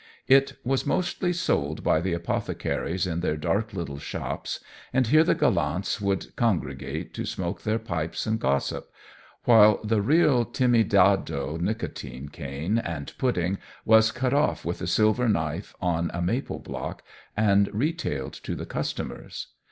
It was mostly sold by the apothecaries in their dark little shops, and here the gallants would congregate to smoke their pipes and gossip, while the real Timidado, nicotine cane and pudding, was cut off with a silver knife on a maple block and retailed to the customers.